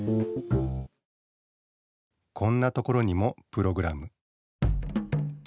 こんなところにもプログラム